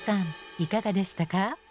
いかがでしたか？